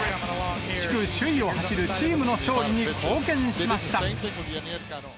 地区首位を走るチームの勝利に貢献しました。